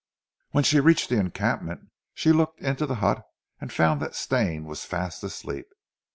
When she reached the encampment she looked into the hut and found that Stane was fast asleep.